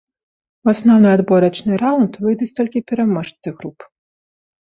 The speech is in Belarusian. У асноўнай адборачны раўнд выйдуць толькі пераможцы груп.